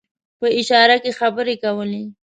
په اشاره کې خبرې کولې.